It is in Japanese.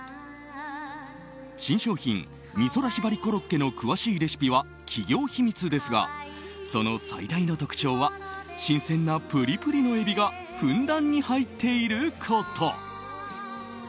新商品、美空ひばりコロッケの詳しいレシピは企業秘密ですがその最大の特徴は新鮮なプリプリのエビがふんだんに入っていること。